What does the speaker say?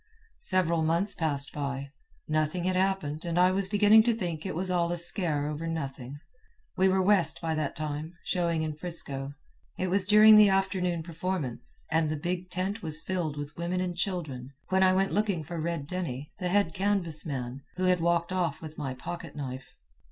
"Several months passed by. Nothing had happened and I was beginning to think it all a scare over nothing. We were West by that time, showing in 'Frisco. It was during the afternoon performance, and the big tent was filled with women and children, when I went looking for Red Denny, the head canvas man, who had walked off with my pocket knife.